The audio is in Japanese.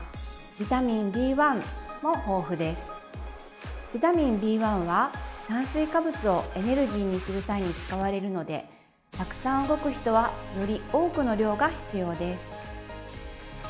ビタミンＢ１は炭水化物をエネルギーにする際に使われるのでたくさん動く人はより多くの量が必要です。